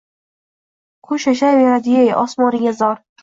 Qush yashayverdi-yey osmoniga zor